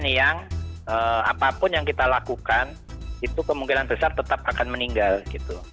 yang apapun yang kita lakukan itu kemungkinan besar tetap akan meninggal gitu